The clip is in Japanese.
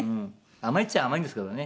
甘いっちゃ甘いんですけどね。